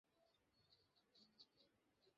সমস্যা কী তাতে?